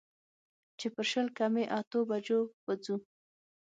چې پر شل کمې اتو بجو به وځو.